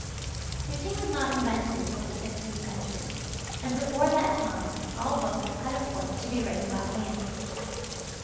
Printing was not invented till the fifteenth century, and before that time all books had of course to be written by hand.